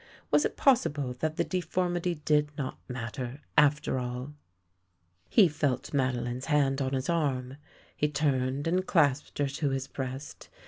Was it possible that the deformity did not matter, after all ? He felt Madelinette's hand on his arm. He turned and clasped her to his breast.